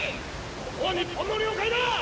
ここは日本の領海だ！